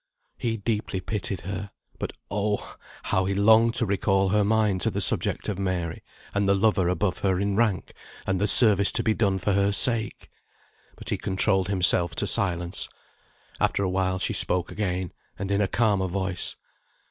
He deeply pitied her; but oh! how he longed to recall her mind to the subject of Mary, and the lover above her in rank, and the service to be done for her sake. But he controlled himself to silence. After awhile, she spoke again, and in a calmer voice.